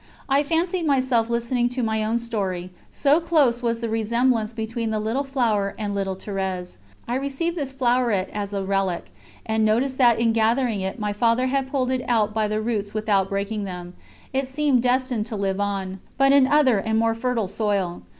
I fancied myself listening to my own story, so close was the resemblance between the little flower and little Thérèse. I received this floweret as a relic, and noticed that in gathering it my Father had pulled it up by the roots without breaking them; it seemed destined to live on, but in other and more fertile soil.